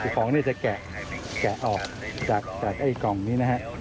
ของนี่จะแกะออกจากกล่องนี้นะครับ